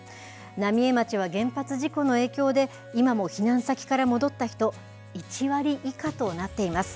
浪江町は原発事故の影響で、今も避難先から戻った人、１割以下となっています。